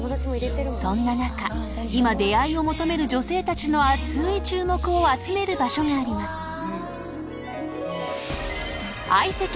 ［そんな中今出会いを求める女性たちの熱い注目を集める場所があります］